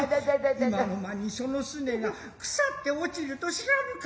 今の間にその脛が腐って落ちると知らぬか。